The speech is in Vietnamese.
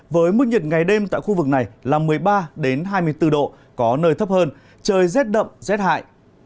với mức nhiệt ngày đêm tại khu vực này là một mươi ba hai mươi bốn độ có nơi thấp hơn trời rét đậm rét hại